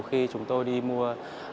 khi chúng tôi đi mua